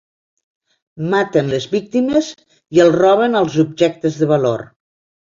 Maten les víctimes i els roben els objectes de valor.